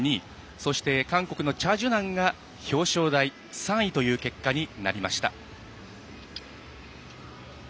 そして、韓国のチャ・ジュナンが表彰台、３位という結果になりました。